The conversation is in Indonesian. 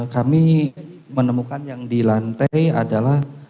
kami menemukan yang di lantai adalah